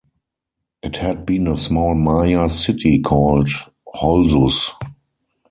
It had been a small Maya city called Holzuz.